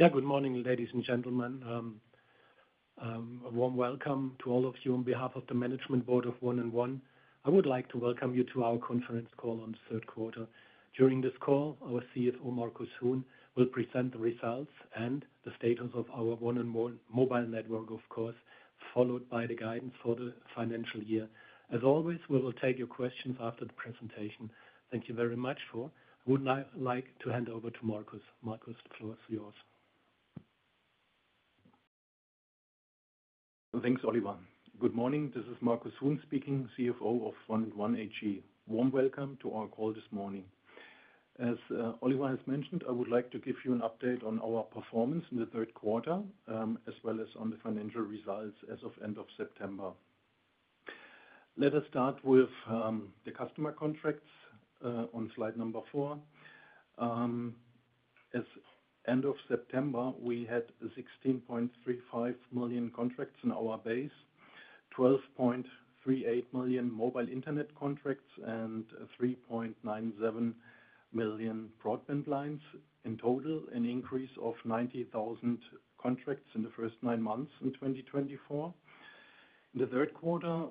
Yeah, good morning, ladies and gentlemen. A warm welcome to all of you on behalf of the Management Board of 1&1. I would like to welcome you to our conference call on the third quarter. During this call, our CFO, Markus Huhn, will present the results and the status of our 1&1 mobile network, of course, followed by the guidance for the financial year. As always, we will take your questions after the presentation. Thank you very much [for]— I would now like to hand over to Markus. Markus, the floor is yours. Thanks, Oliver. Good morning. This is Markus Huhn speaking, CFO of 1&1 AG. Warm welcome to our call this morning. As Oliver has mentioned, I would like to give you an update on our performance in the third quarter, as well as on the financial results as of end of September. Let us start with the customer contracts on slide number four. As end of September, we had 16.35 million contracts in our base, 12.38 million mobile internet contracts, and 3.97 million broadband lines in total, an increase of 90,000 contracts in the first nine months in 2024. In the third quarter,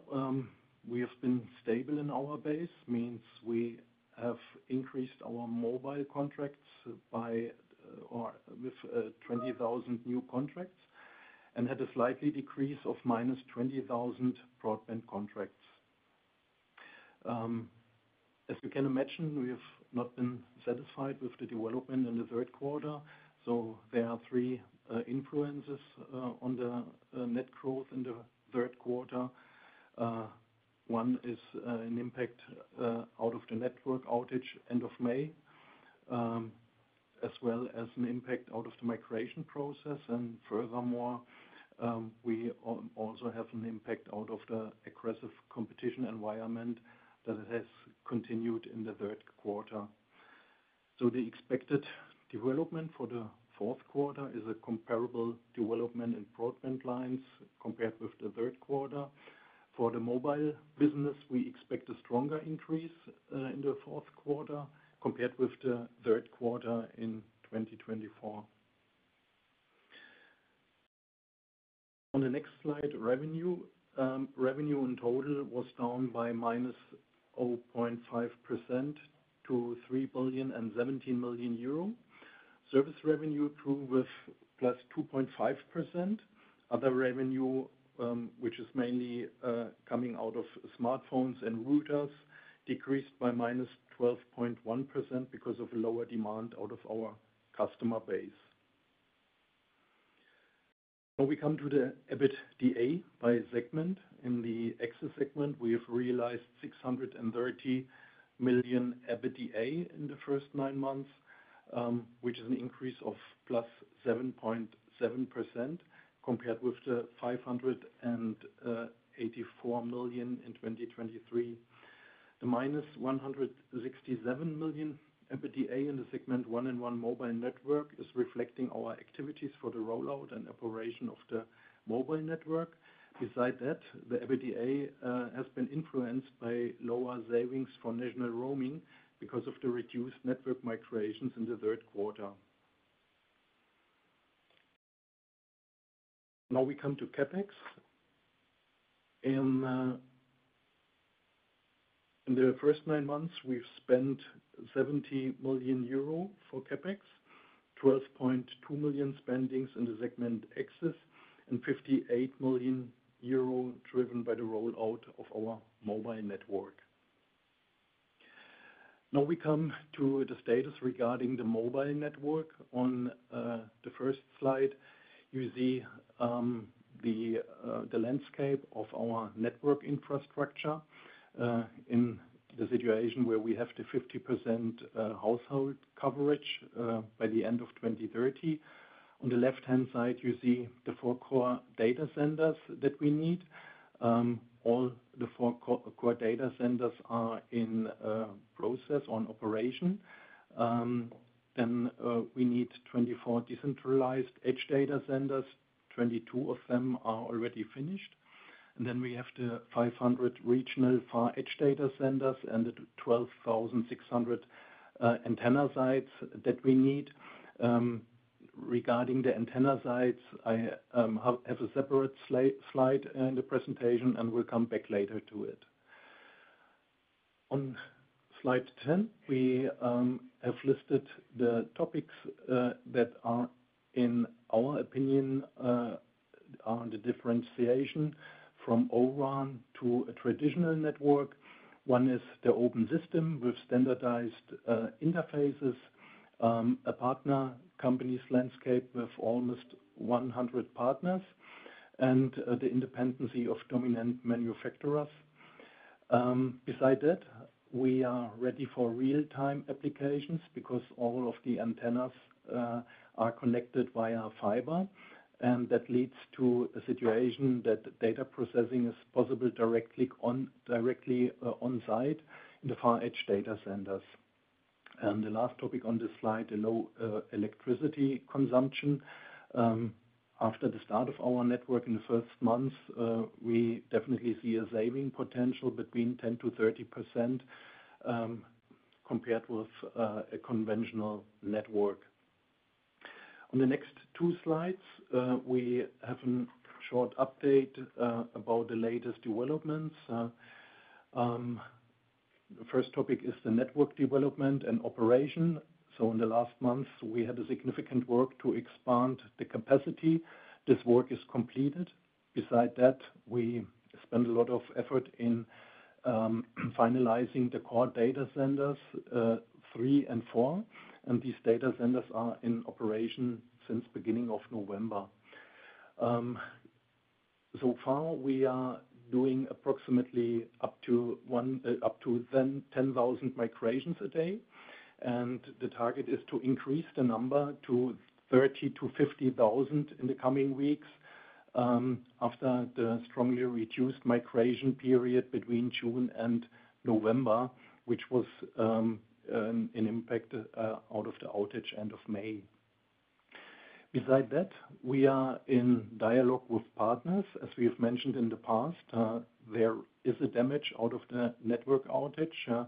we have been stable in our base, means we have increased our mobile contracts by, or with, 20,000 new contracts and had a slightly decrease of -20,000 broadband contracts. As you can imagine, we have not been satisfied with the development in the third quarter. There are three influences on the net growth in the third quarter. One is an impact out of the network outage end of May, as well as an impact out of the migration process. And furthermore, we also have an impact out of the aggressive competition environment that has continued in the third quarter. The expected development for the fourth quarter is a comparable development in broadband lines compared with the third quarter. For the mobile business, we expect a stronger increase in the fourth quarter compared with the third quarter in 2024. On the next slide, revenue. Revenue in total was down by -0.5% to 3 billion and 17 million euro. Service revenue grew with +2.5%. Other revenue, which is mainly coming out of smartphones and routers, decreased by -12.1% because of lower demand out of our customer base. When we come to the EBITDA by segment, in the access segment, we have realized 630 million EBITDA in the first nine months, which is an increase of +7.7% compared with the 584 million in 2023. The -167 million EBITDA in the segment 1&1 mobile network is reflecting our activities for the rollout and operation of the mobile network. Besides that, the EBITDA has been influenced by lower savings for national roaming because of the reduced network migrations in the third quarter. Now we come to CapEx. In the first nine months, we've spent 70 million euro for CapEx, 12.2 million spending in the segment access, and 58 million euro driven by the rollout of our mobile network. Now we come to the status regarding the mobile network. On the first slide, you see the landscape of our network infrastructure in the situation where we have 50% household coverage by the end of 2030. On the left-hand side, you see the four core data centers that we need. All the four core data centers are in process, on operation. We need 24 decentralized edge data centers. 22 of them are already finished. We have the 500 regional far edge data centers and the 12,600 antenna sites that we need. Regarding the antenna sites, I have a separate slide in the presentation, and we'll come back later to it. On slide 10, we have listed the topics that are, in our opinion, the differentiation from O-RAN to a traditional network. One is the open system with standardized interfaces, a partner company's landscape with almost 100 partners, and the independency of dominant manufacturers. Besides that, we are ready for real-time applications because all of the antennas are connected via fiber, and that leads to a situation that data processing is possible directly on-site in the far edge data centers, and the last topic on this slide, the low electricity consumption. After the start of our network in the first months, we definitely see a saving potential between 10%-30%, compared with a conventional network. On the next two slides, we have a short update about the latest developments. The first topic is the network development and operation, so in the last months, we had a significant work to expand the capacity. This work is completed. Besides that, we spend a lot of effort in finalizing the core data centers, three and four. And these data centers are in operation since beginning of November. So far, we are doing approximately up to one— up to 10,000 migrations a day. And the target is to increase the number to 30,000-50,000 in the coming weeks, after the strongly reduced migration period between June and November, which was an impact out of the outage end of May. Besides that, we are in dialogue with partners. As we have mentioned in the past, there is a damage out of the network outage,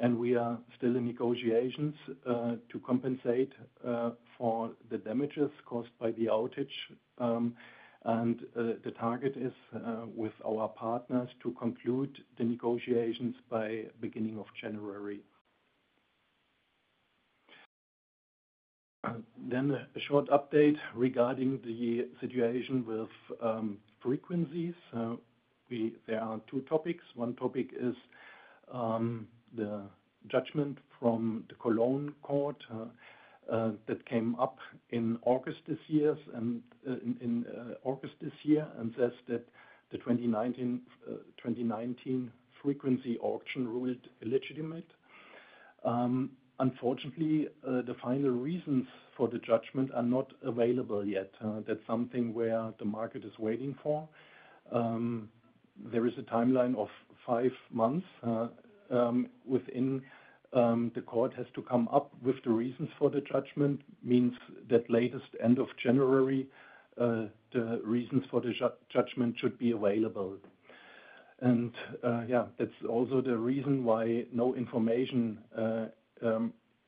and we are still in negotiations to compensate for the damages caused by the outage, and the target is with our partners to conclude the negotiations by beginning of January. Then a short update regarding the situation with frequencies. There are two topics. One topic is the judgment from the Cologne Court that came up in August this year and says that the 2019 frequency auction ruled illegitimate. Unfortunately, the final reasons for the judgment are not available yet. That's something where the market is waiting for. There is a timeline of five months within the court has to come up with the reasons for the judgment. That means that latest end of January the reasons for the judgment should be available. And yeah, that's also the reason why no information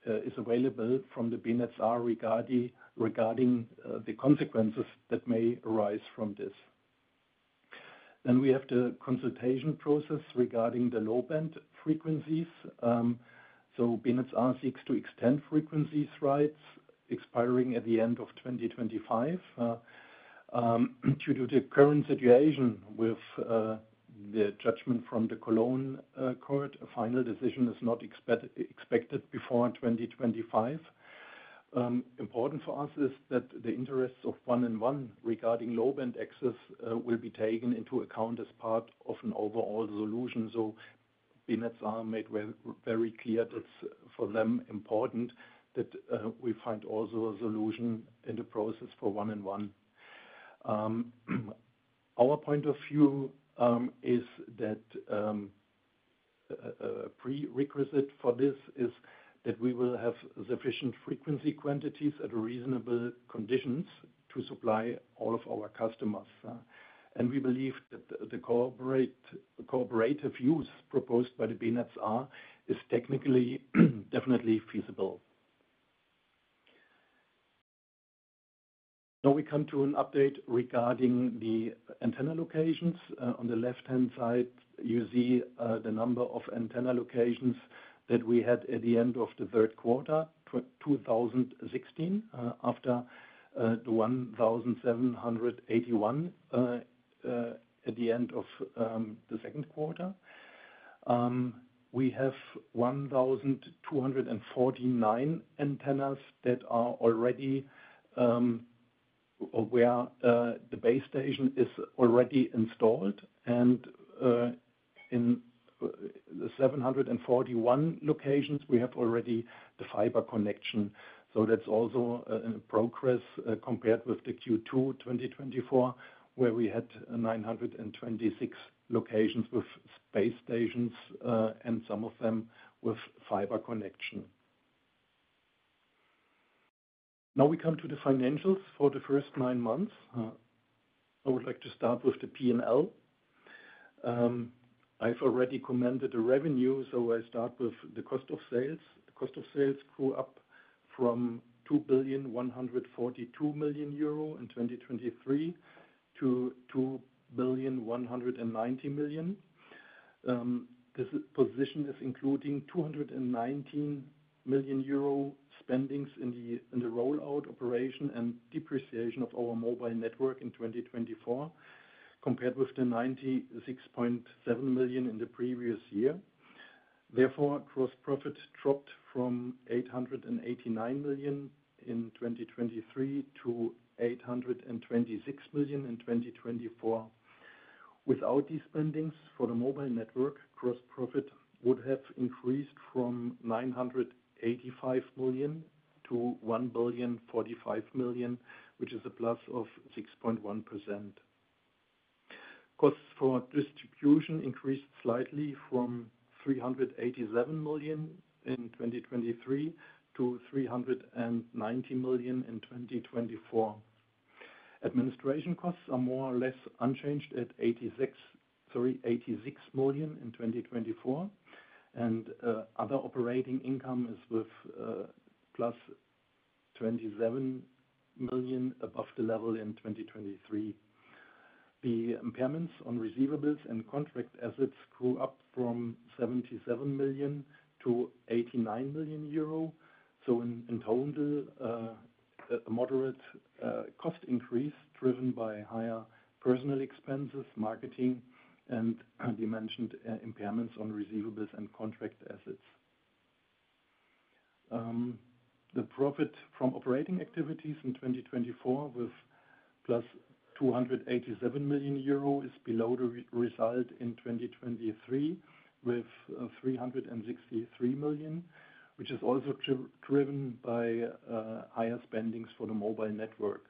is available from the BNetzA regarding the consequences that may arise from this. Then we have the consultation process regarding the low-band frequencies. So BNetzA seeks to extend frequency rights expiring at the end of 2025. Due to the current situation with the judgment from the Cologne Court, a final decision is not expected before 2025. Important for us is that the interests of 1&1 regarding low-band access will be taken into account as part of an overall solution, so BNetzA made very clear that's for them important that we find also a solution in the process for 1&1. Our point of view is that prerequisite for this is that we will have sufficient frequency quantities at reasonable conditions to supply all of our customers, and we believe that the cooperative use proposed by the BNetzA is technically definitely feasible. Now we come to an update regarding the antenna locations. On the left-hand side, you see the number of antenna locations that we had at the end of the third quarter 2016, after the 1,781 at the end of the second quarter. We have 1,249 antennas that are already where the base station is already installed. In the 741 locations, we have already the fiber connection. So that's also in progress, compared with the Q2 2024, where we had 926 locations with base stations, and some of them with fiber connection. Now we come to the financials for the first nine months. I would like to start with the P&L. I've already commented the revenue, so I start with the cost of sales. The cost of sales grew up from 2.142 billion in 2023 to 2.190 billion. This position is including 219 million euro spending in the rollout operation and depreciation of our mobile network in 2024, compared with the 96.7 million in the previous year. Therefore, gross profit dropped from 889 million in 2023 to 826 million in 2024. Without these spendings for the mobile network, gross profit would have increased from 985 million to 1.45 billion, which is a plus of 6.1%. Costs for distribution increased slightly from 387 million in 2023 to 390 million in 2024. Administration costs are more or less unchanged at 86 million in 2024. Other operating income is with +27 million above the level in 2023. The impairments on receivables and contract assets grew up from 77 million to 89 million euro. So in total, a moderate cost increase driven by higher personal expenses, marketing, and the mentioned impairments on receivables and contract assets. The profit from operating activities in 2024 with +287 million euro is below the result in 2023 with 363 million, which is also driven by higher spendings for the mobile network.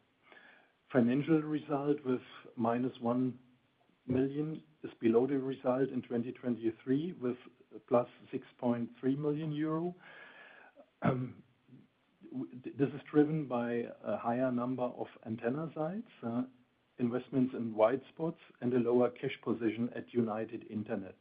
Financial result with -1 million is below the result in 2023 with +6.3 million euro. This is driven by a higher number of antenna sites, investments in white spots, and a lower cash position at United Internet.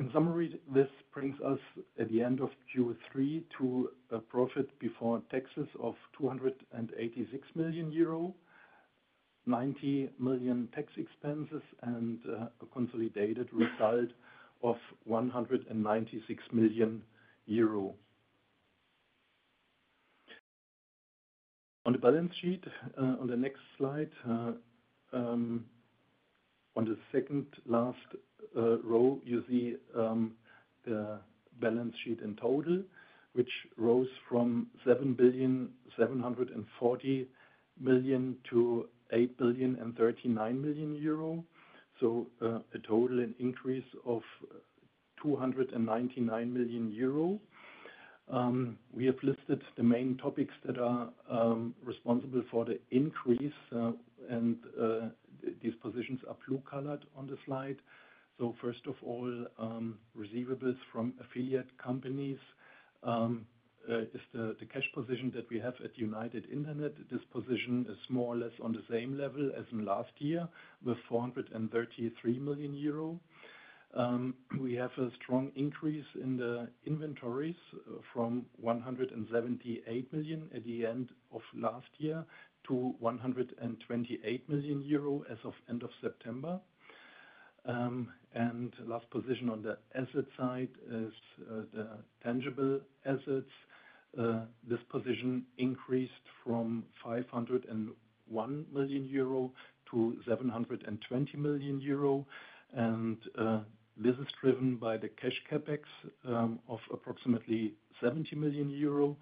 In summary, this brings us at the end of Q3 to a profit before taxes of 286 million euro, 90 million tax expenses, and a consolidated result of 196 million euro. On the balance sheet, on the next slide, on the second last row, you see the balance sheet in total, which rose from 7.740 billion to 8.039 billion. So, a total increase of 299 million euro. We have listed the main topics that are responsible for the increase, and these positions are blue-colored on the slide. So first of all, receivables from affiliate companies is the cash position that we have at United Internet. This position is more or less on the same level as in last year with 433 million euro. We have a strong increase in the inventories from 178 million at the end of last year to 128 million euro as of end of September. And last position on the asset side is the tangible assets. This position increased from 501 million euro to 720 million euro. And this is driven by the cash CapEx of approximately 70 million euro,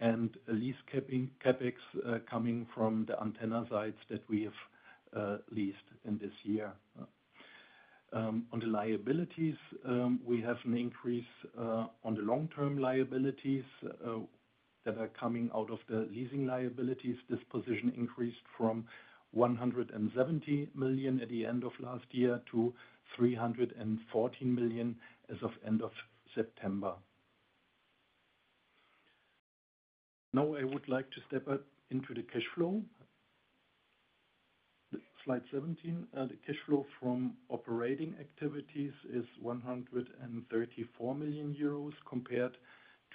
and lease CapEx coming from the antenna sites that we have leased in this year. On the liabilities, we have an increase on the long-term liabilities that are coming out of the leasing liabilities. This position increased from 170 million at the end of last year to 314 million as of end of September. Now I would like to step up into the cash flow. Slide 17, the cash flow from operating activities is 134 million euros compared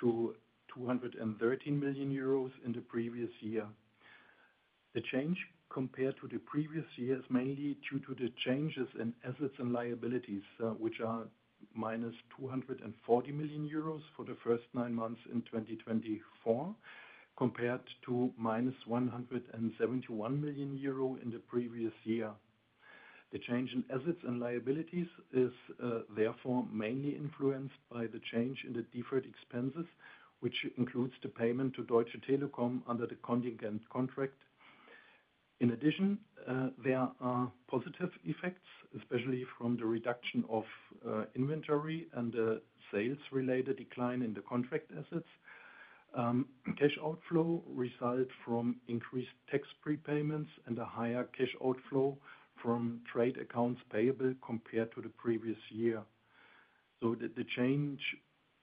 to 213 million euros in the previous year. The change compared to the previous year is mainly due to the changes in assets and liabilities, which are -240 million euros for the first nine months in 2024, compared to -171 million euro in the previous year. The change in assets and liabilities is therefore mainly influenced by the change in the deferred expenses, which includes the payment to Deutsche Telekom under the contingent contract. In addition, there are positive effects, especially from the reduction of inventory and the sales-related decline in the contract assets. Cash outflow resulted from increased tax prepayments and a higher cash outflow from trade accounts payable compared to the previous year. So the change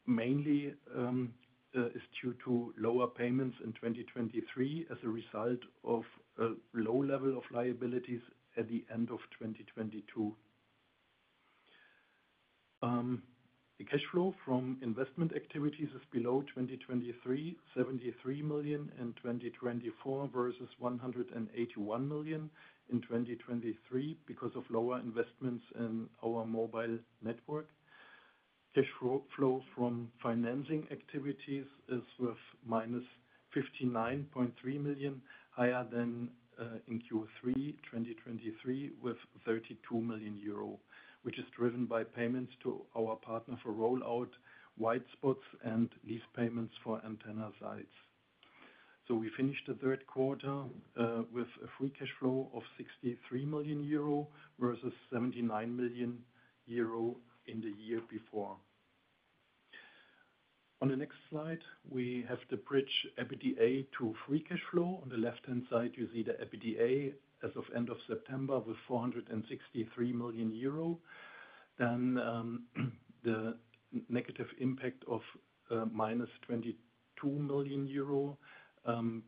mainly is due to lower payments in 2023 as a result of a low level of liabilities at the end of 2022. The cash flow from investment activities is below 2023, 73 million in 2024 versus 181 million in 2023 because of lower investments in our mobile network. Cash flow from financing activities is with -59.3 million, higher than in Q3 2023 with 32 million euro, which is driven by payments to our partner for rollout, white spots and lease payments for antenna sites. So we finished the third quarter with a free cash flow of 63 million euro versus 79 million euro in the year before. On the next slide, we have the bridge EBITDA to free cash flow. On the left-hand side, you see the EBITDA as of end of September with 463 million euro. Then, the negative impact of -22 million euro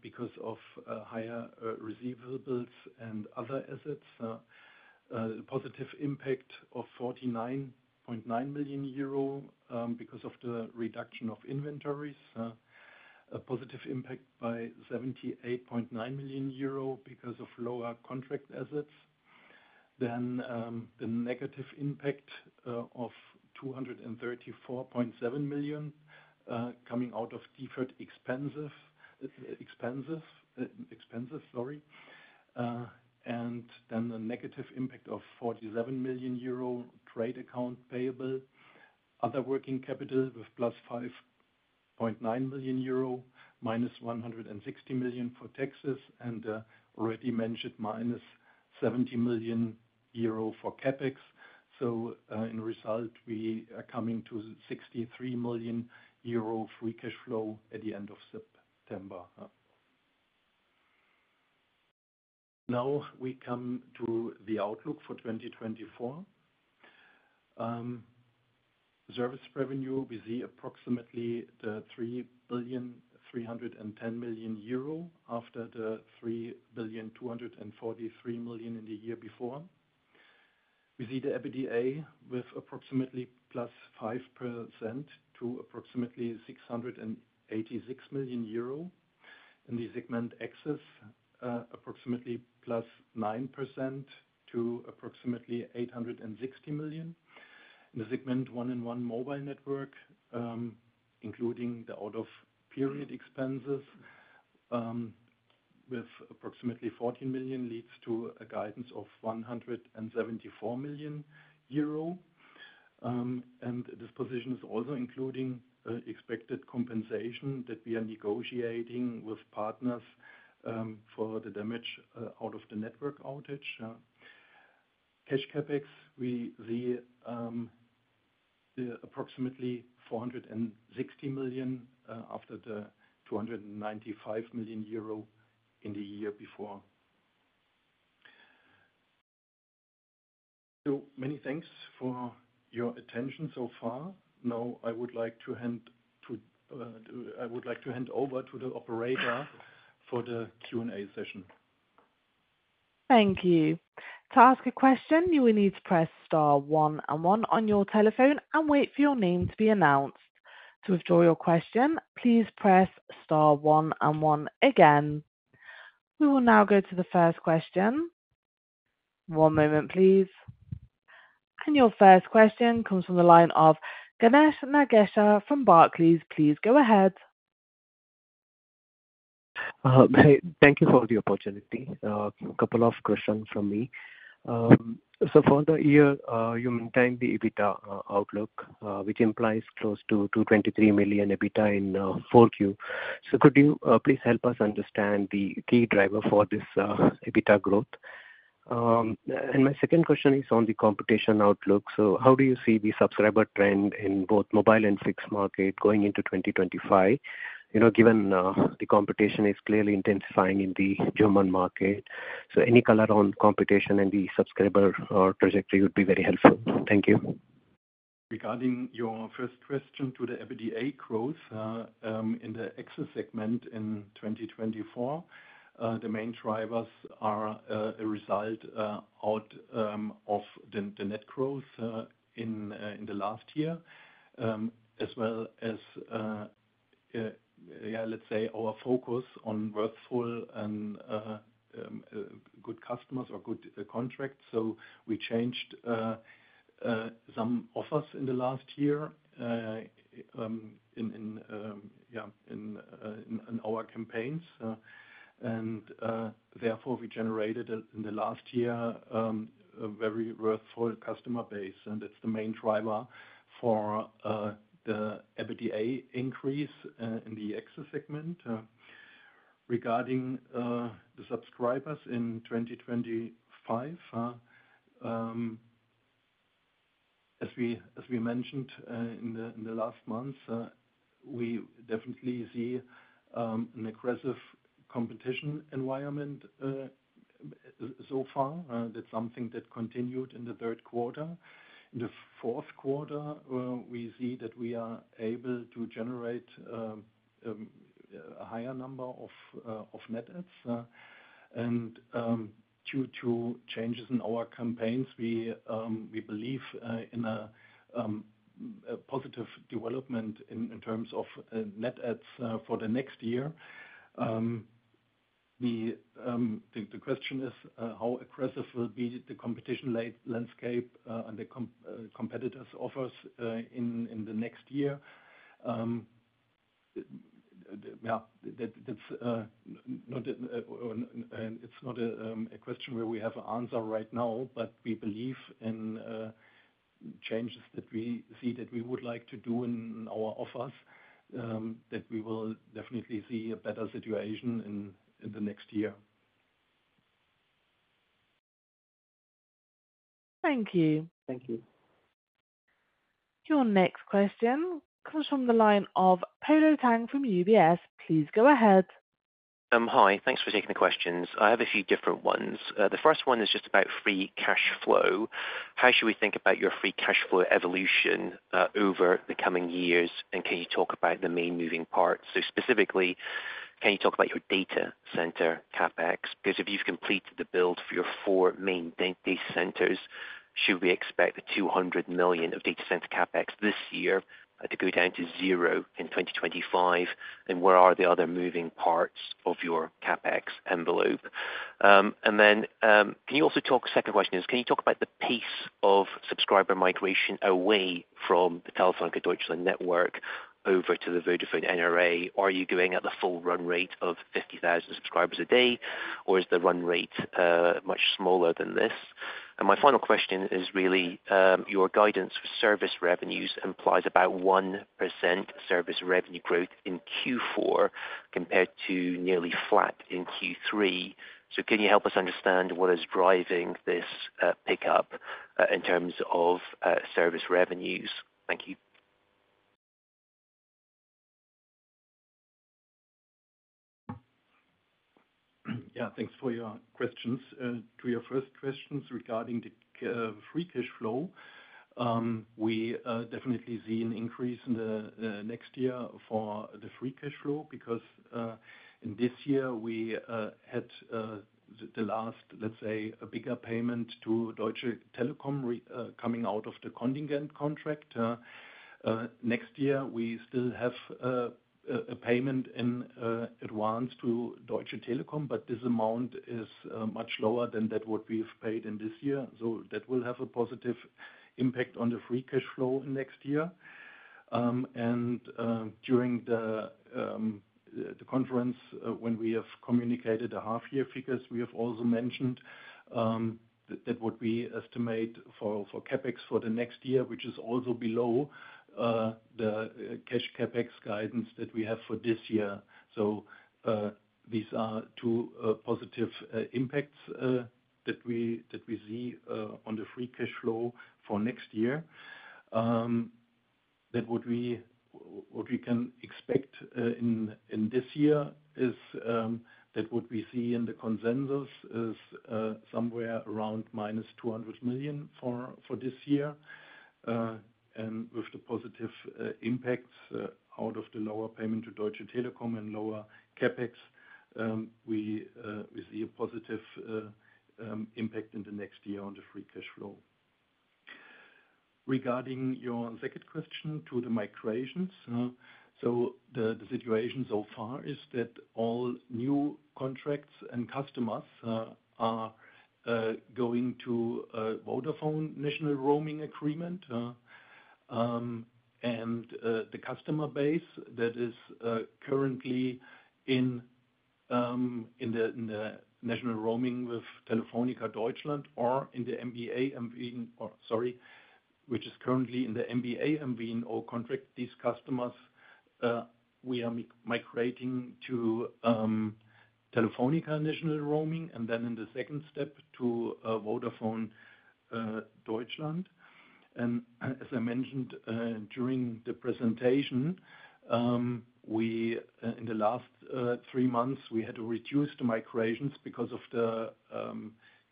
because of higher receivables and other assets. Positive impact of 49.9 million euro because of the reduction of inventories, a positive impact by 78.9 million euro because of lower contract assets. Then, the negative impact of 234.7 million coming out of deferred expenses. And then the negative impact of 47 million euro trade accounts payable, other working capital with +5.9 million euro, -160 million for taxes, and the already mentioned -70 million euro for CapEx. So, in result, we are coming to 63 million euro free cash flow at the end of September. Now we come to the outlook for 2024. Service revenue, we see approximately 3.310 billion after the 3.243 billion in the year before. We see the EBITDA with approximately +5% to approximately 686 million euro in the Segment Access, approximately +9% to approximately 860 million. The Segment 1&1 Mobile Network, including the out-of-period expenses, with approximately 14 million leads to a guidance of 174 million euro. This position is also including expected compensation that we are negotiating with partners for the damage out of the network outage. Cash CapEx, we see approximately 460 million after the 295 million euro in the year before. So many thanks for your attention so far. Now I would like to hand over to the operator for the Q&A session. Thank you. To ask a question, you will need to press star one and one on your telephone and wait for your name to be announced. To withdraw your question, please press star one and one again. We will now go to the first question. One moment, please. And your first question comes from the line of Ganesh Nagesha from Barclays. Please go ahead. Thank you for the opportunity. A couple of questions from me. So for the year, you maintained the EBITDA outlook, which implies close to 223 million EBITDA in 4Q. So could you please help us understand the key driver for this EBITDA growth? And my second question is on the competition outlook. So how do you see the subscriber trend in both mobile and fixed market going into 2025? You know, given the competition is clearly intensifying in the German market. So any color on customer acquisition and the subscriber trajectory would be very helpful. Thank you. Regarding your first question to the EBITDA growth, in the Access segment in 2024, the main drivers are a result of the net growth in the last year, as well as, yeah, let's say our focus on worthwhile and good customers or good contracts. So we changed some offers in the last year in our campaigns. And therefore we generated in the last year a very worthwhile customer base. And that's the main driver for the EBITDA increase in the Access segment. Regarding the subscribers in 2025, as we mentioned in the last months, we definitely see an aggressive competition environment so far. That's something that continued in the third quarter. In the fourth quarter, we see that we are able to generate a higher number of net ads. And due to changes in our campaigns, we believe in a positive development in terms of net adds for the next year. The question is, how aggressive will be the competition landscape, and the competitors' offers, in the next year? It's not a question where we have an answer right now, but we believe in changes that we see that we would like to do in our offers, that we will definitely see a better situation in the next year. Thank you. Thank you. Your next question comes from the line of Polo Tang from UBS. Please go ahead. Hi. Thanks for taking the questions. I have a few different ones. The first one is just about free cash flow. How should we think about your free cash flow evolution over the coming years? And can you talk about the main moving parts? So specifically, can you talk about your data center CapEx? Because if you've completed the build for your four main data centers, should we expect the 200 million of data center CapEx this year to go down to zero in 2025? And where are the other moving parts of your CapEx envelope? And then, can you also talk— second question is, can you talk about the pace of subscriber migration away from the Telefónica Deutschland network over to the Vodafone NRA? Are you going at the full run rate of 50,000 subscribers a day, or is the run rate much smaller than this? And my final question is really, your guidance for service revenues implies about 1% service revenue growth in Q4 compared to nearly flat in Q3. So can you help us understand what is driving this pickup in terms of service revenues? Thank you. Yeah, thanks for your questions. To your first questions regarding the free cash flow, we definitely see an increase in the next year for the free cash flow because in this year we had the last, let's say, a bigger payment to Deutsche Telekom regarding coming out of the contingent contract. Next year we still have a payment in advance to Deutsche Telekom, but this amount is much lower than that what we've paid in this year. So that will have a positive impact on the free cash flow in next year. During the conference, when we have communicated the half-year figures, we have also mentioned that what we estimate for CapEx for the next year, which is also below the cash CapEx guidance that we have for this year. So, these are two positive impacts that we see on the free cash flow for next year. That what we can expect in this year is that what we see in the consensus is somewhere around -200 million for this year. With the positive impacts out of the lower payment to Deutsche Telekom and lower CapEx, we see a positive impact in the next year on the free cash flow. Regarding your second question to the migrations, so the situation so far is that all new contracts and customers are going to Vodafone national roaming agreement, and the customer base that is currently in the national roaming with Telefónica Deutschland or in the MBA MVNO, sorry, which is currently in the MBA MVNO contract, these customers we are migrating to Telefónica national roaming and then in the second step to Vodafone Deutschland. And as I mentioned during the presentation, in the last three months we had to reduce the migrations because of the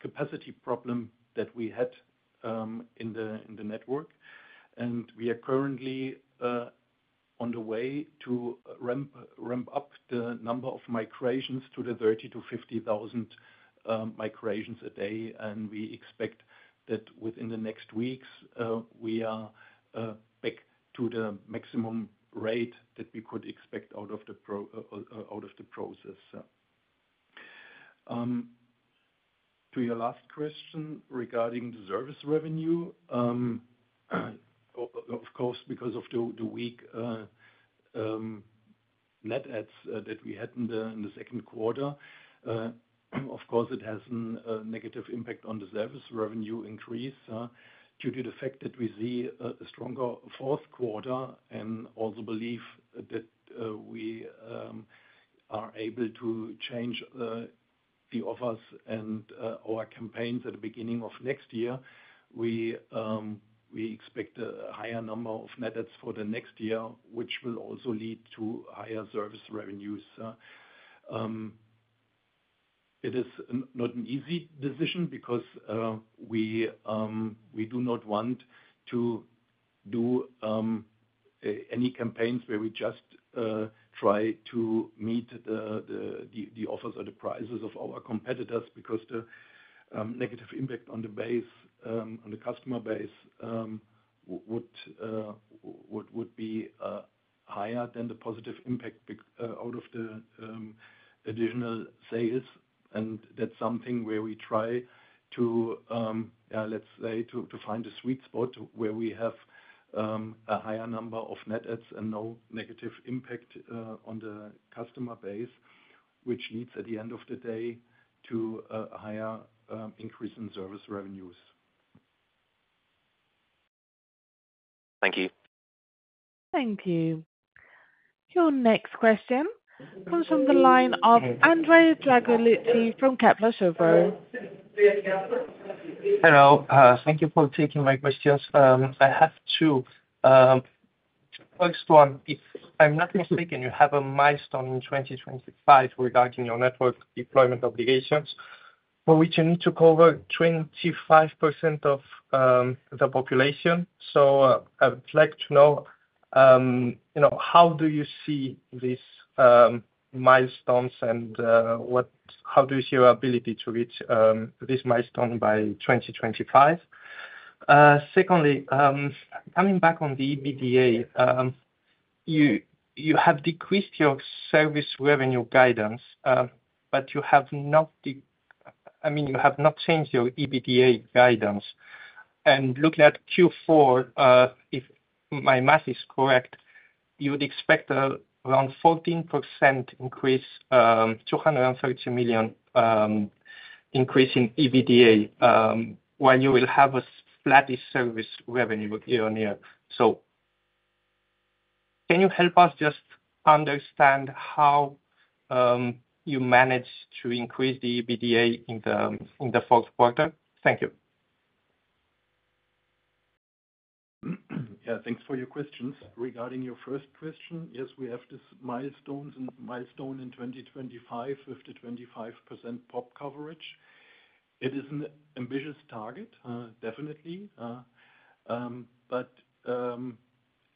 capacity problem that we had in the network. And we are currently on the way to ramp up the number of migrations to the 30,000-50,000 migrations a day. And we expect that within the next weeks, we are back to the maximum rate that we could expect out of the process. To your last question regarding the service revenue, of course, because of the weak net adds that we had in the second quarter, of course, it has a negative impact on the service revenue increase, due to the fact that we see a stronger fourth quarter and also believe that we are able to change the offers and our campaigns at the beginning of next year. We expect a higher number of net adds for the next year, which will also lead to higher service revenues. It is not an easy decision because we do not want to do any campaigns where we just try to meet the offers or the prices of our competitors because the negative impact on the base, on the customer base, would be higher than the positive impact be out of the additional sales. And that's something where we try to, let's say, find a sweet spot where we have a higher number of net adds and no negative impact on the customer base, which leads at the end of the day to a higher increase in service revenues. Thank you. Thank you. Your next question comes from the line of Andrei Dragolici from Kepler Cheuvreux. Hello. Thank you for taking my questions. I have two. First one, if I'm not mistaken, you have a milestone in 2025 regarding your network deployment obligations for which you need to cover 25% of the population. So, I would like to know, you know, how do you see this milestones and what— how do you see your ability to reach this milestone by 2025? Secondly, coming back on the EBITDA, you have decreased your service revenue guidance, but you have not de—I mean, you have not changed your EBITDA guidance. And looking at Q4, if my math is correct, you would expect around 14% increase, 230 million increase in EBITDA, while you will have a flattish service revenue year-on-year. So can you help us just understand how you managed to increase the EBITDA in the in the fourth quarter? Thank you. Yeah, thanks for your questions. Regarding your first question, yes, we have this milestones— milestone in 2025 with the 25% pop coverage. It is an ambitious target, definitely, but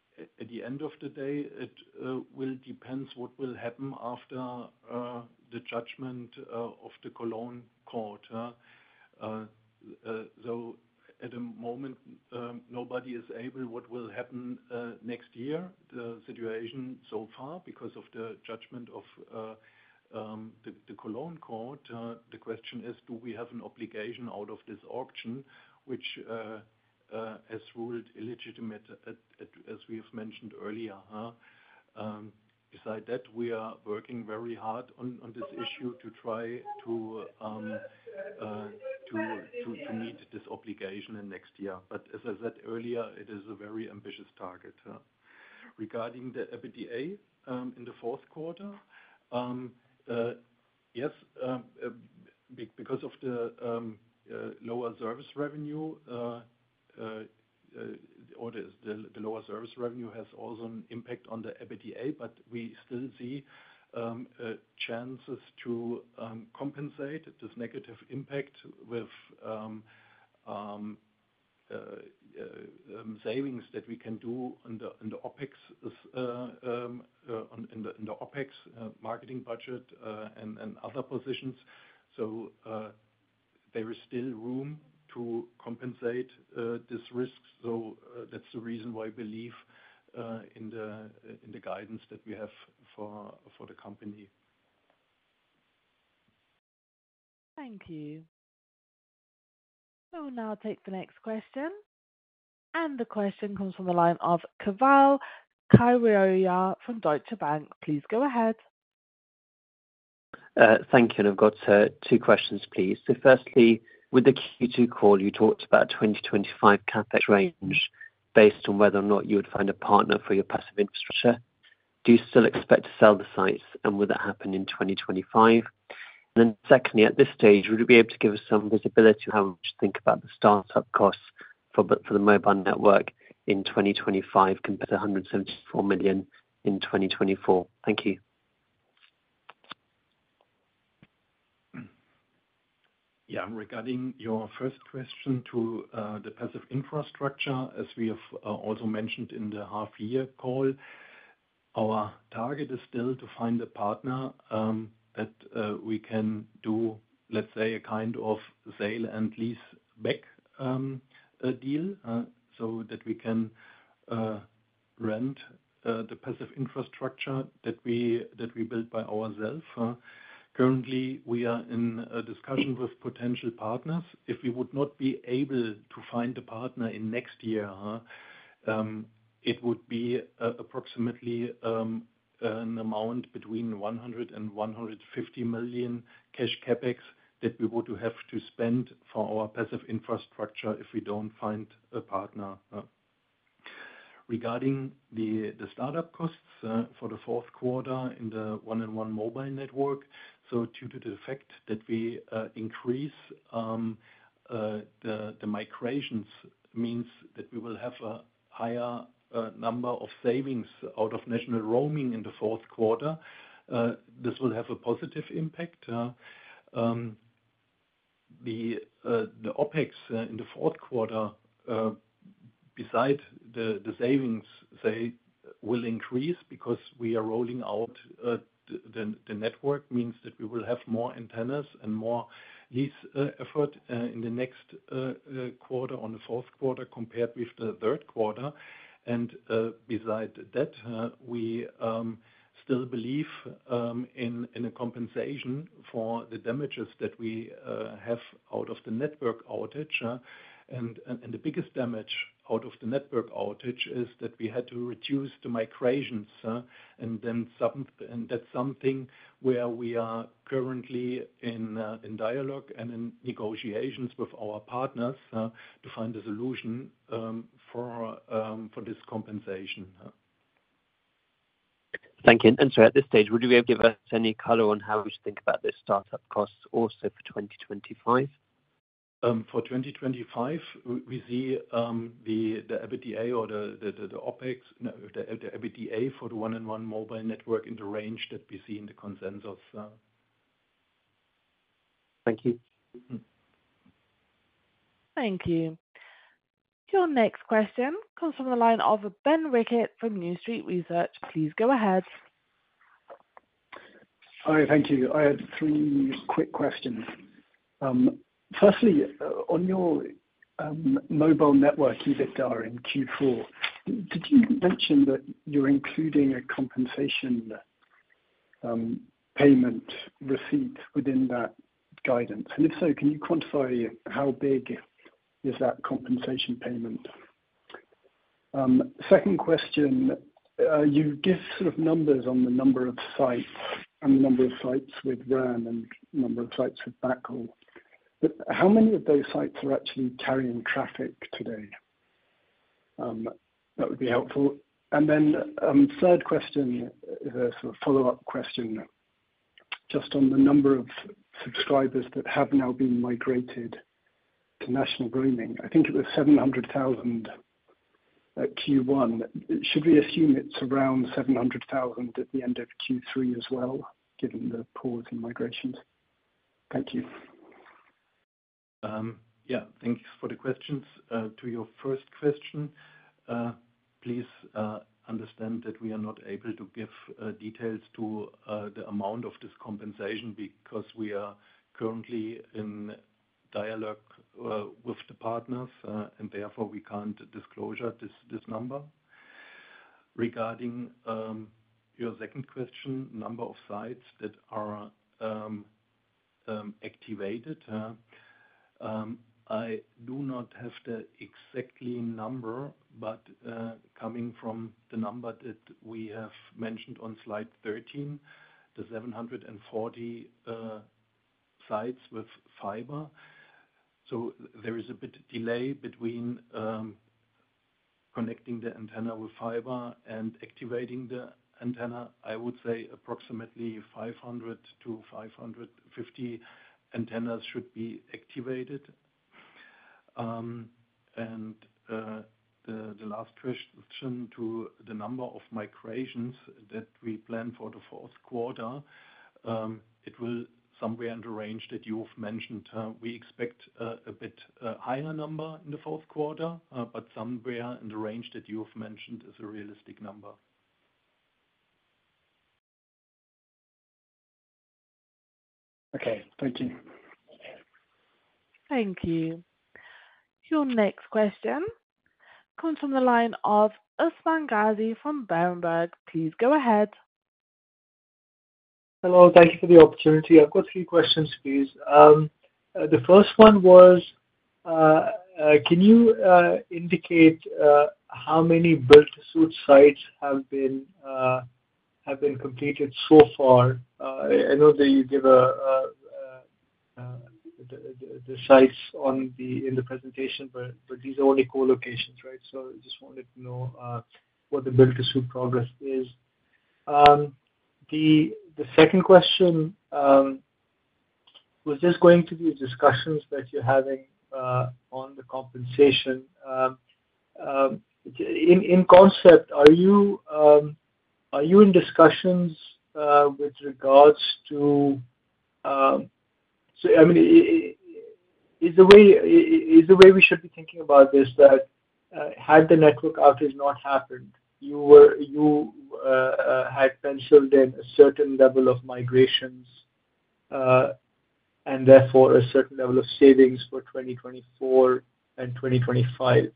at the end of the day, it will depend what will happen after the judgment of the Cologne Court. So at the moment, nobody is able what will happen next year, the situation so far because of the judgment of the Cologne Court. The question is, do we have an obligation out of this auction, which has ruled illegitimate, as we have mentioned earlier? Beside that, we are working very hard on this issue to try to meet this obligation in next year. But as I said earlier, it is a very ambitious target. Regarding the EBITDA in the fourth quarter, yes, because of the lower service revenue, or the lower service revenue has also an impact on the EBITDA, but we still see chances to compensate this negative impact with savings that we can do in the OpEx, marketing budget, and other positions. So, there is still room to compensate this risk. So, that's the reason why I believe in the guidance that we have for the company. Thank you. We'll now take the next question. And the question comes from the line of Keval Khiroya from Deutsche Bank. Please go ahead. Thank you. And I've got two questions, please. So firstly, with the Q2 call, you talked about 2025 CapEx range based on whether or not you would find a partner for your passive infrastructure. Do you still expect to sell the sites? And will that happen in 2025? And then secondly, at this stage, would you be able to give us some visibility on how to think about the startup costs for the mobile network in 2025 compared to 174 million in 2024? Thank you. Yeah, regarding your first question to the passive infrastructure, as we have also mentioned in the half-year call, our target is still to find a partner that we can do, let's say, a kind of sale and lease back deal, so that we can rent the passive infrastructure that we build by ourselves. Currently, we are in a discussion with potential partners. If we would not be able to find a partner in next year, it would be approximately an amount between 100 million and 150 million cash CapEx that we would have to spend for our passive infrastructure if we don't find a partner. Regarding the startup costs for the fourth quarter in the 1&1 mobile network, so due to the fact that we increase the migrations means that we will have a higher number of savings out of national roaming in the fourth quarter. This will have a positive impact. The OpEx in the fourth quarter, beside the savings, they will increase because we are rolling out the network means that we will have more antennas and more lease effort in the fourth quarter compared with the third quarter. And beside that, we still believe in a compensation for the damages that we have out of the network outage. And the biggest damage out of the network outage is that we had to reduce the migrations. And then some, and that's something where we are currently in dialogue and in negotiations with our partners, to find a solution for this compensation. Thank you. So at this stage, would you be able to give us any color on how we should think about this startup costs also for 2025? For 2025, we see the EBITDA or the OpEx, no, the EBITDA for the 1&1 mobile network in the range that we see in the consensus. Thank you. Thank you. Your next question comes from the line of Ben Rickett from New Street Research. Please go ahead. Hi, thank you. I have three quick questions. Firstly, on your mobile network EBITDA in Q4, did you mention that you're including a compensation payment receipt within that guidance? And if so, can you quantify how big is that compensation payment? Second question, you give sort of numbers on the number of sites and the number of sites with RAN and number of sites with backhaul. How many of those sites are actually carrying traffic today? That would be helpful. And then, third question is a sort of follow-up question just on the number of subscribers that have now been migrated to national roaming. I think it was 700,000 at Q1. Should we assume it's around 700,000 at the end of Q3 as well, given the pause in migrations? Thank you. Yeah, thanks for the questions. To your first question, please understand that we are not able to give details to the amount of this compensation because we are currently in dialogue with the partners, and therefore we can't disclose this number. Regarding your second question, number of sites that are activated, I do not have the exact number, but coming from the number that we have mentioned on slide 13, the 740 sites with fiber. So there is a bit of delay between connecting the antenna with fiber and activating the antenna. I would say approximately 500-550 antennas should be activated. And the last question to the number of migrations that we plan for the fourth quarter, it will somewhere in the range that you've mentioned. We expect a bit higher number in the fourth quarter, but somewhere in the range that you've mentioned is a realistic number. Okay, thank you. Thank you. Your next question comes from the line of Usman Ghazi from Berenberg. Please go ahead. Hello, thank you for the opportunity. I've got three questions, please. The first one was, can you indicate how many build-to-suit sites have been completed so far? I know that you give the sites in the presentation, but these are only co-locations, right? So I just wanted to know what the build-to-suit progress is. The second question, is this going to be discussions that you're having on the compensation? In concept, are you in discussions with regards to, so I mean, is the way we should be thinking about this that had the network outage not happened, you had penciled in a certain level of migrations, and therefore a certain level of savings for 2024 and 2025.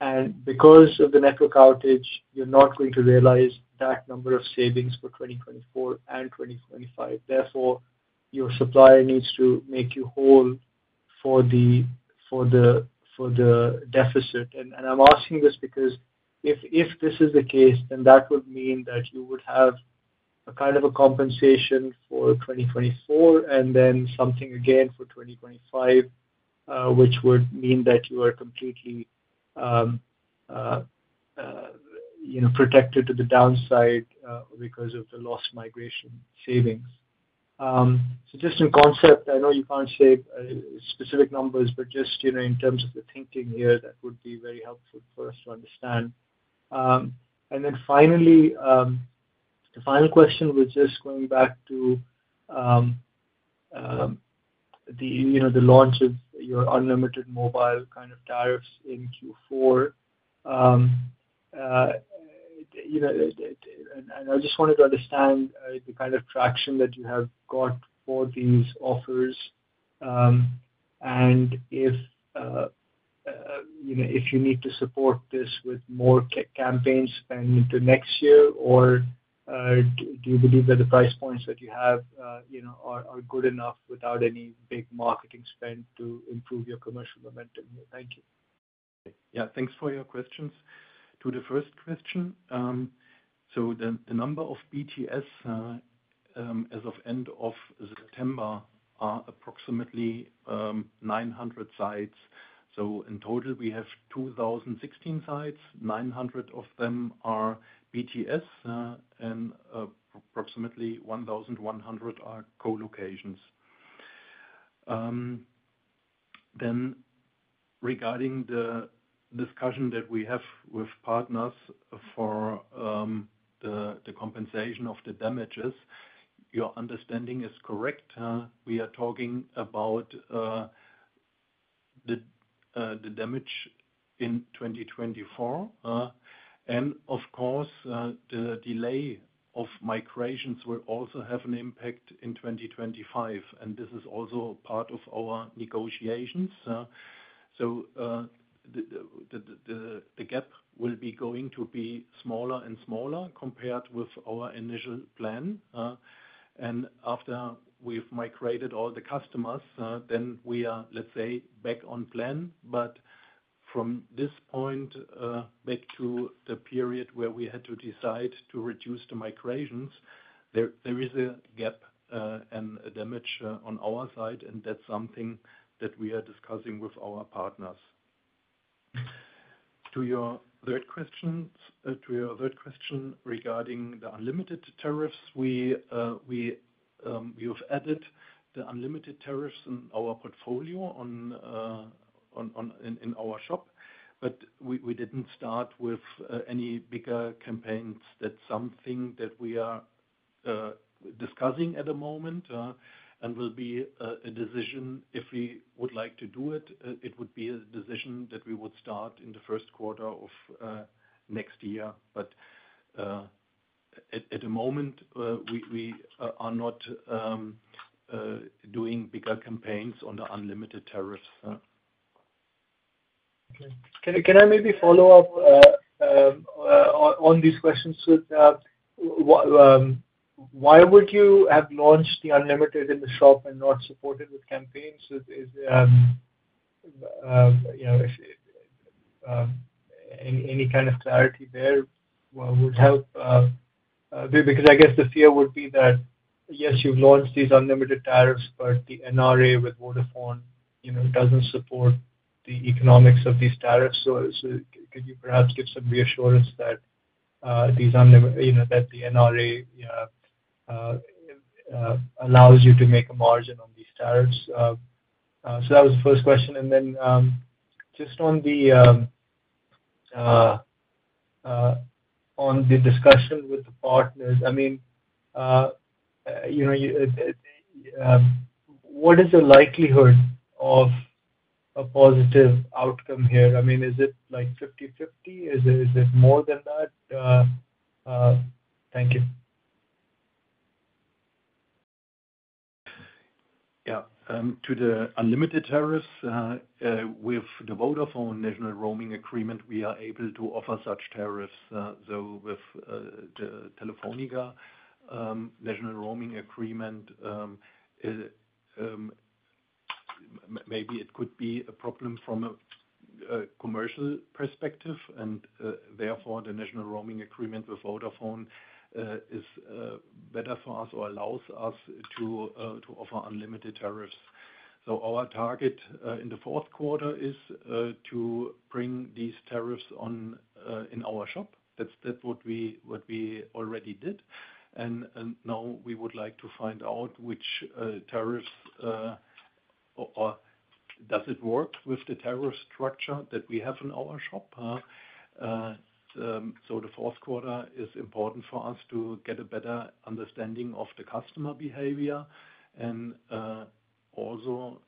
And because of the network outage, you're not going to realize that number of savings for 2024 and 2025. Therefore, your supplier needs to make you whole for the deficit. And I'm asking this because if this is the case, then that would mean that you would have a kind of a compensation for 2024 and then something again for 2025, which would mean that you are completely, you know, protected to the downside, because of the lost migration savings. So just in concept, I know you can't say specific numbers, but just, you know, in terms of the thinking here, that would be very helpful for us to understand. And then finally, the final question was just going back to the, you know, the launch of your unlimited mobile kind of tariffs in Q4. You know, and I just wanted to understand the kind of traction that you have got for these offers. And if, you know, if you need to support this with more campaigns spend into next year, or do you believe that the price points that you have, you know, are good enough without any big marketing spend to improve your commercial momentum here? Thank you. Yeah, thanks for your questions. To the first question, so the number of BTS, as of end of September are approximately 900 sites. In total, we have 2,016 sites, 900 of them are BTS, and approximately 1,100 are co-locations. Then, regarding the discussion that we have with partners for the compensation of the damages, your understanding is correct. We are talking about the damage in 2024, and of course, the delay of migrations will also have an impact in 2025, and this is also part of our negotiations. The gap will be going to be smaller and smaller compared with our initial plan. After we've migrated all the customers, then we are, let's say, back on plan. But from this point, back to the period where we had to decide to reduce the migrations, there is a gap and a damage on our side. That's something that we are discussing with our partners. To your third question regarding the unlimited tariffs, we have added the unlimited tariffs in our portfolio in our shop. But we didn't start with any bigger campaigns. That's something that we are discussing at the moment, and will be a decision if we would like to do it. It would be a decision that we would start in the first quarter of next year. But at the moment, we are not doing bigger campaigns on the unlimited tariffs. Okay. Can I maybe follow up on these questions with what— why would you have launched the unlimited in the shop and not supported with campaigns? Is— any kind of clarity there would help, because I guess the fear would be that, yes, you've launched these unlimited tariffs, but the NRA with Vodafone, you know, doesn't support the economics of these tariffs. Could you perhaps give some reassurance that these unlimited, you know, that the NRA allows you to make a margin on these tariffs? So that was the first question. And then, just on the discussion with the partners, I mean, you know, what is the likelihood of a positive outcome here? I mean, is it like 50/50? Is it more than that? Thank you. Yeah. To the unlimited tariffs, with the Vodafone national roaming agreement, we are able to offer such tariffs. So with the Telefónica national roaming agreement, maybe it could be a problem from a commercial perspective. Therefore, the national roaming agreement with Vodafone is better for us or allows us to offer unlimited tariffs. Our target in the fourth quarter is to bring these tariffs on in our shop. That's what we already did. Now we would like to find out which tariffs or does it work with the tariff structure that we have in our shop? The fourth quarter is important for us to get a better understanding of the customer behavior. Also,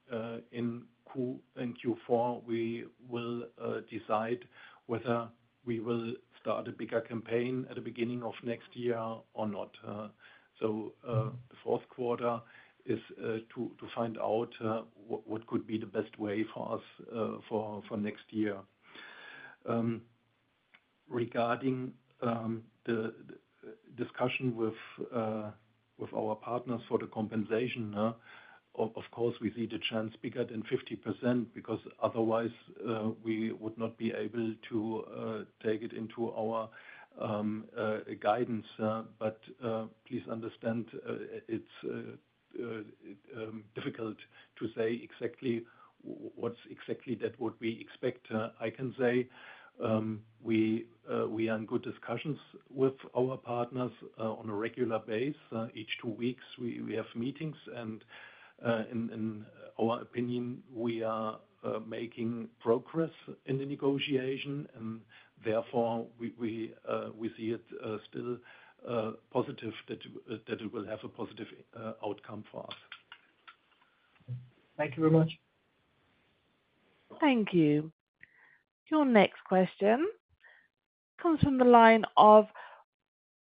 in Q4, we will decide whether we will start a bigger campaign at the beginning of next year or not. The fourth quarter is to find out what could be the best way for us for next year. Regarding the discussion with our partners for the compensation, of course we see the chance bigger than 50% because otherwise we would not be able to take it into our guidance. But please understand, it's difficult to say exactly what we expect. I can say, we are in good discussions with our partners on a regular basis. Every two weeks we have meetings. And in our opinion, we are making progress in the negotiation. And therefore, we see it still positive that it will have a positive outcome for us. Thank you very much. Thank you. Your next question comes from the line of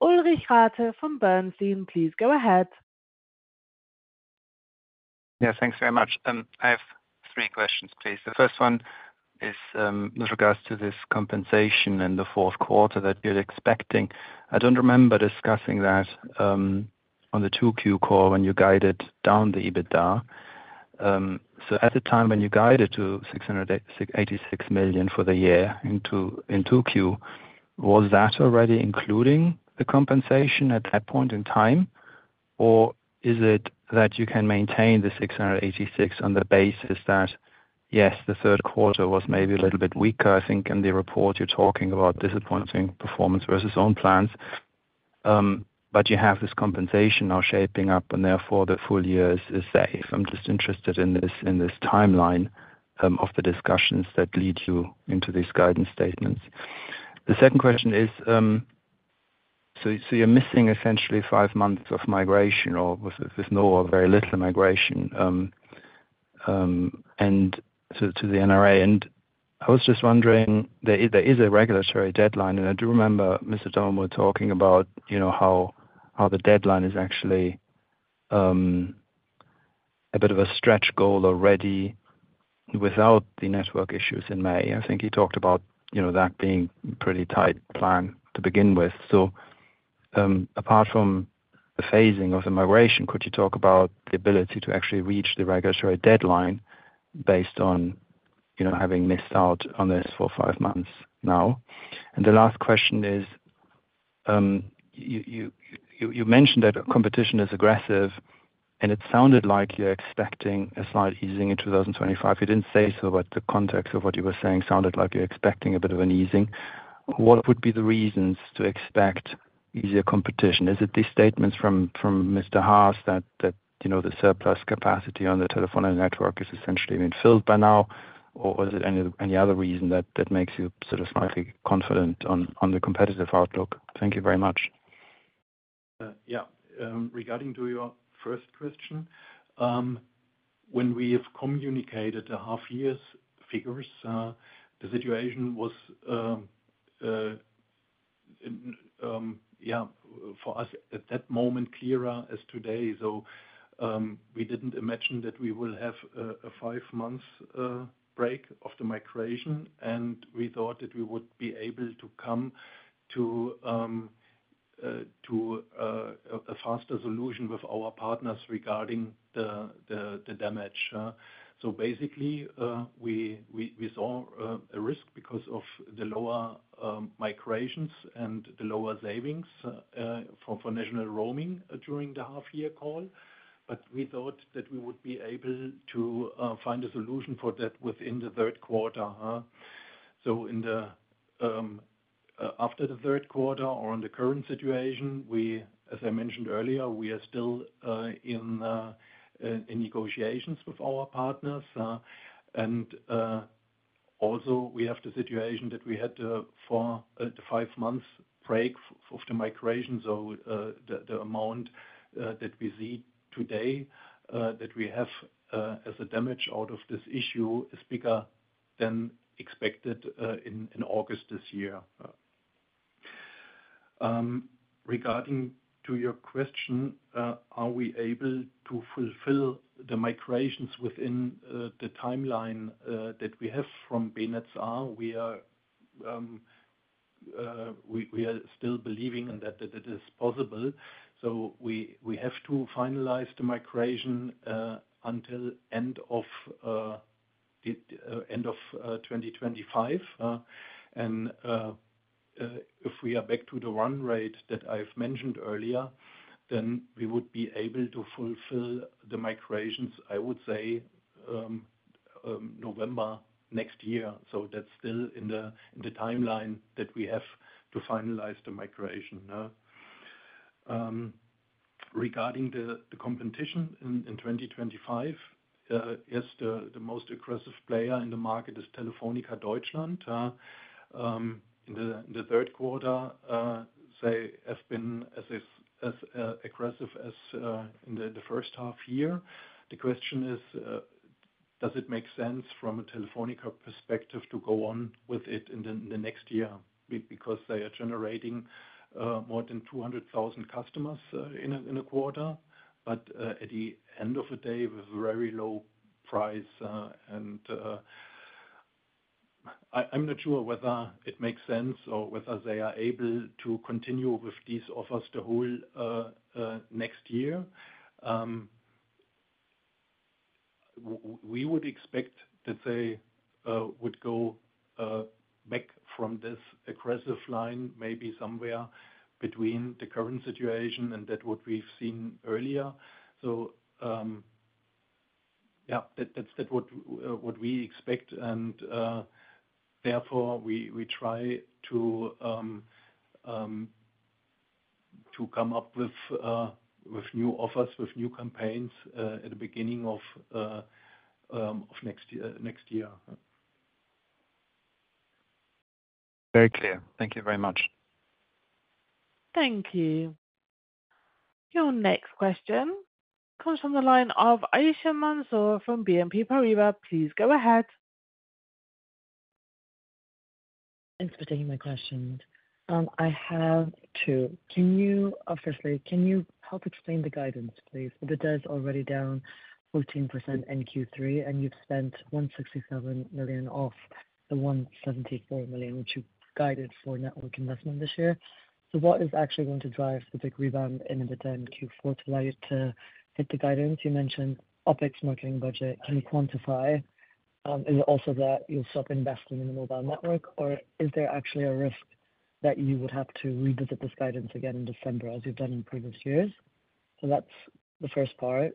Ulrich Rathe from Bernstein. Please go ahead. Yeah, thanks very much. I have three questions, please. The first one is, with regards to this compensation in the fourth quarter that you're expecting. I don't remember discussing that, on the 2Q call when you guided down the EBITDA. So at the time when you guided to 686 million for the year in 2Q, was that already including the compensation at that point in time? Or is it that you can maintain the 686 million on the basis that, yes, the third quarter was maybe a little bit weaker, I think, in the report you're talking about disappointing performance versus own plans? But you have this compensation now shaping up, and therefore the full year is, is safe. I'm just interested in this, in this timeline, of the discussions that lead you into these guidance statements. The second question is, so, so you're missing essentially five months of migration or with, with no or very little migration, and to, to the NRA. And I was just wondering, there is, there is a regulatory deadline. I do remember Mr. Dom were talking about, you know, how the deadline is actually a bit of a stretch goal already without the network issues in May. I think he talked about, you know, that being a pretty tight plan to begin with. So, apart from the phasing of the migration, could you talk about the ability to actually reach the regulatory deadline based on, you know, having missed out on this for five months now? And the last question is, you mentioned that competition is aggressive, and it sounded like you're expecting a slight easing in 2025. You didn't say so, but the context of what you were saying sounded like you're expecting a bit of an easing. What would be the reasons to expect easier competition? Is it these statements from Mr. Haas, that you know, the surplus capacity on the telephone network is essentially been filled by now? Or was it any other reason that makes you sort of slightly confident on the competitive outlook? Thank you very much. Yeah. Regarding your first question, when we have communicated the half-year figures, the situation was, yeah, for us at that moment clearer as today. So we didn't imagine that we will have a five-month break of the migration. And we thought that we would be able to come to a faster solution with our partners regarding the damage. So basically, we saw a risk because of the lower migrations and the lower savings for national roaming during the half-year call. But we thought that we would be able to find a solution for that within the third quarter. So, after the third quarter or in the current situation, as I mentioned earlier, we are still in negotiations with our partners. And also we have the situation that we had the four— the five-month break of the migration. So, the amount that we see today that we have as a damage out of this issue is bigger than expected in August this year. Regarding to your question, are we able to fulfill the migrations within the timeline that we have from BNetzA? We are still believing in that it is possible. So we have to finalize the migration until end of 2025. And, if we are back to the run rate that I've mentioned earlier, then we would be able to fulfill the migrations, I would say, November next year. That's still in the timeline that we have to finalize the migration. Regarding the competition in 2025, yes, the most aggressive player in the market is Telefónica Deutschland. In the third quarter, they have been as aggressive as in the first half year. The question is, does it make sense from a Telefónica perspective to go on with it in the next year? Because they are generating more than 200,000 customers in a quarter. But at the end of the day, with very low price, and I'm not sure whether it makes sense or whether they are able to continue with these offers the whole next year. We would expect that they would go back from this aggressive line maybe somewhere between the current situation and that what we've seen earlier. Yeah, that's what we expect. And therefore we try to come up with new offers, with new campaigns, at the beginning of next year. Very clear. Thank you very much. Thank you. Your next question comes from the line of Ayesha Mansoor from BNP Paribas. Please go ahead. Thanks for taking my question. I have two. Can you, firstly, can you help explain the guidance, please? EBITDA's already down 14% in Q3 and you've spent 167 million of the 174 million which you guided for network investment this year, so what is actually going to drive the big rebound [in the big] Q4 to allow you to hit the guidance? You mentioned OpEx marketing budget. Can you quantify, is it also that you'll stop investing in the mobile network? Or is there actually a risk that you would have to revisit this guidance again in December as you've done in previous years? So that's the first part.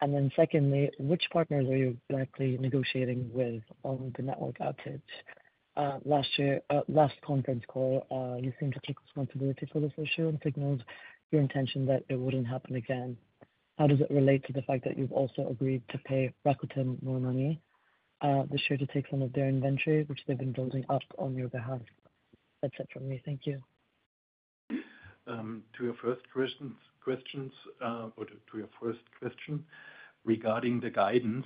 And then secondly, which partners are you likely negotiating with on the network outage? Last year— last conference call, you seem to take responsibility for this issue and signaled your intention that it wouldn't happen again. How does it relate to the fact that you've also agreed to pay Rakuten more money this year to take some of their inventory, which they've been building up on your behalf? That's it from me. Thank you. To your first question regarding the guidance,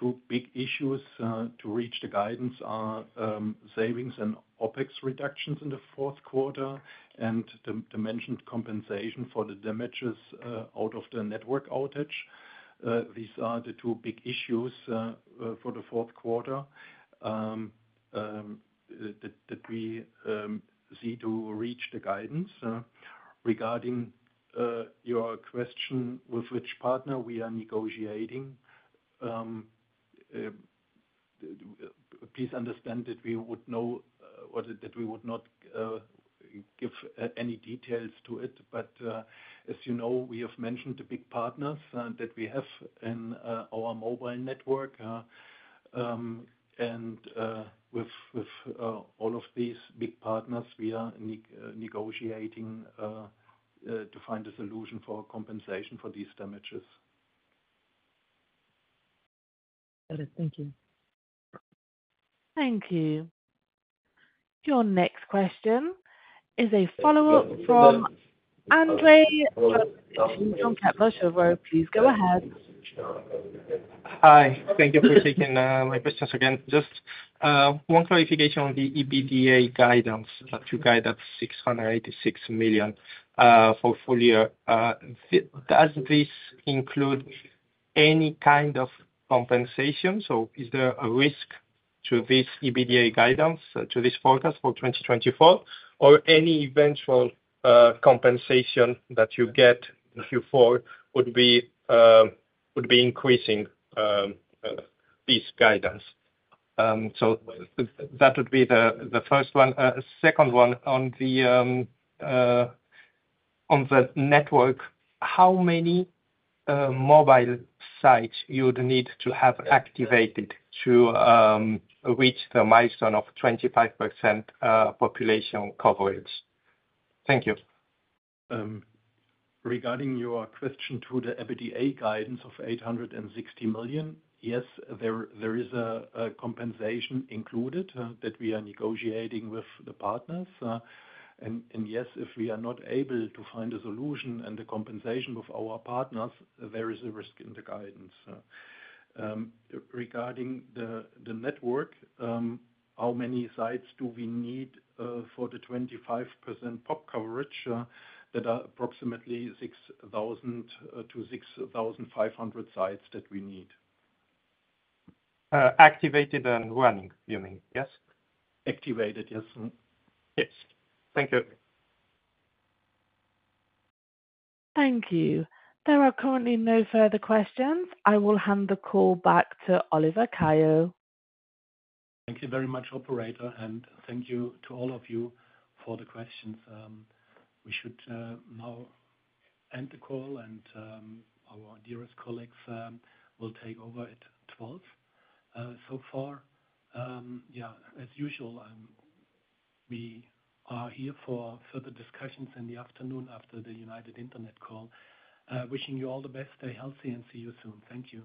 two big issues to reach the guidance are savings and OpEx reductions in the fourth quarter and the mentioned compensation for the damages out of the network outage. These are the two big issues for the fourth quarter that we see to reach the guidance. Regarding your question with which partner we are negotiating, please understand that we would not give any details to it. But as you know, we have mentioned the big partners that we have in our mobile network, and with all of these big partners, we are negotiating to find a solution for compensation for these damages. Got it. Thank you. Thank you. Your next question is a follow-up from Andrei Dragolici from Kepler Cheuvreux. Please go ahead. Hi. Thank you for taking my questions again. Just one clarification on the EBITDA guidance that you guide at 686 million for full year. Does this include any kind of compensation? So is there a risk to this EBITDA guidance, to this forecast for 2024, or any eventual compensation that you get in Q4 would be increasing this guidance? That would be the first one. Second one on the network, how many mobile sites you would need to have activated to reach the milestone of 25% population coverage? Thank you. Regarding your question to the EBITDA guidance of 860 million, yes, there is a compensation included that we are negotiating with the partners. And yes, if we are not able to find a solution and the compensation with our partners, there is a risk in the guidance. Regarding the network, how many sites do we need for the 25% pop coverage? That are approximately 6,000-6,500 sites that we need. Activated and running, you mean? Yes? Activated. Yes. Yes. Thank you. Thank you. There are currently no further questions. I will hand the call back to Oliver Keil. Thank you very much, operator, and thank you to all of you for the questions. We should now end the call, and our dearest colleagues will take over at 12:00. So far, yeah, as usual, we are here for further discussions in the afternoon after the United Internet call. Wishing you all the best, stay healthy, and see you soon. Thank you.